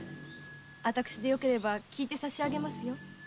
私でよければ聞いてさしあげますよ。